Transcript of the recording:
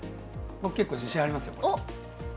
僕、結構自信がありますよ。